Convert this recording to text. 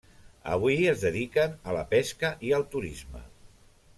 Avui es dediquen a la pesca i al turisme.